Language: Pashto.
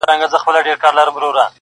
انسان جوړ سو نور تر هر مخلوق وو ښکلی -